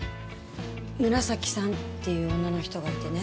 紫さんっていう女の人がいてね。